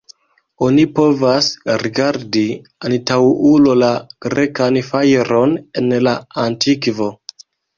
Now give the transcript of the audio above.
Oni povas rigardi antaŭulo la grekan fajron en la Antikvo.